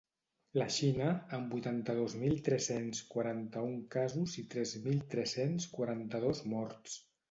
La Xina, amb vuitanta-dos mil tres-cents quaranta-un casos i tres mil tres-cents quaranta-dos morts.